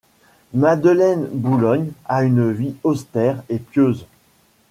Madeleine Boullogne a une vie austère et pieuse.